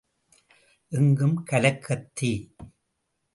எங்கும் கலகத் தீ.